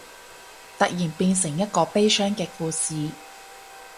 突然變成一個悲傷嘅故事